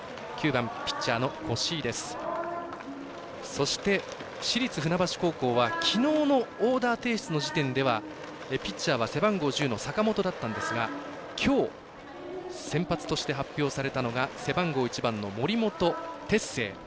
そして、市立船橋高校はきのうのオーダー提出の時点ではピッチャーは背番号１０の坂本だったんですがきょう、先発として発表されたのが背番号１番の森本哲星。